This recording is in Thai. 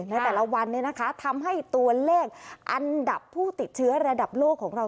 ในแต่ละวันทำให้ตัวเลขอันดับผู้ติดเชื้อระดับโลกของเรา